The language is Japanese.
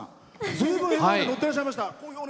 ずいぶんのってらっしゃいました。